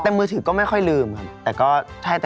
แต่มือถือก็ไม่ค่อยลืมครับ